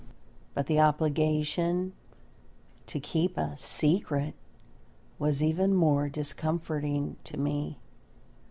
But the obligation to keep a "secret" was even more discomforting to me.